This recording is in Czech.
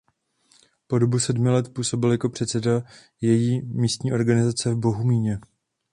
Po dobu sedmi let působil jako předseda její místní organizace v Bohumíně.